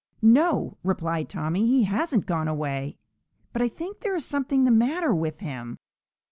"No," replied Tommy, "he hasn't gone away, but I think there is something the matter with him."